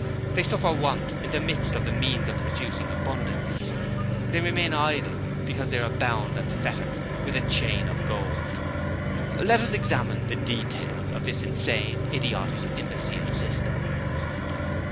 They suffer want in the midst of the means of producing abundance. They remain idle because they are bound and fettered with a chain of gold. 'Let us examine the details of this insane, idiotic, imbecile system.'